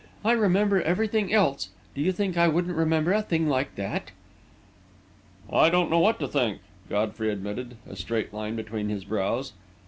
I remember everything else do you think I wouldn't remember a thing like that!" "I don't know what to think," Godfrey admitted, a straight line between his brows.